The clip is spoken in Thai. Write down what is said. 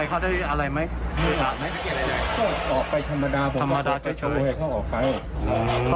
เยอะนะมีอาวุธไหม